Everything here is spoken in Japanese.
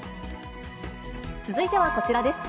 続いてはこちらです。